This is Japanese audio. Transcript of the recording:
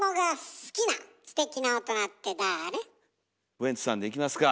ウエンツさんでいきますか。